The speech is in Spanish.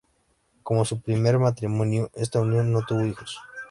Como su primer matrimonio, esta unión no tuvo hijos.